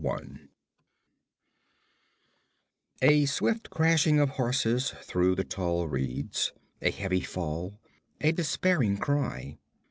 ] 1 A swift crashing of horses through the tall reeds; a heavy fall, a despairing cry.